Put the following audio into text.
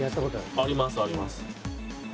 ありますあります。